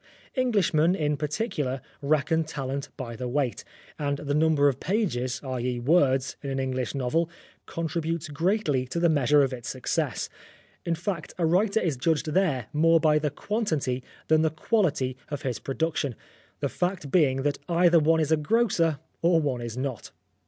Englishmen, in particular, reckon talent by the weight, and the number of pages, i.e. words, in an English novel contributes greatly to the measure of its success. In fact, a writer is judged there more by the quantity than the quality of his production, the fact being that either one is a grocer, or one is not.